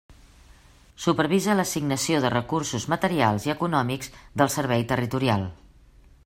Supervisa l'assignació de recursos materials i econòmics del Servei Territorial.